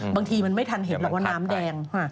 บางทีมันไม่ทันเห็นหรอกว่าน้ำแดง